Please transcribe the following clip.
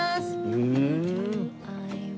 うん！